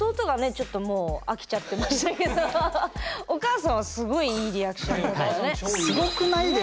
ちょっともう飽きちゃってましたけどお母さんはすごいいいリアクションだったね。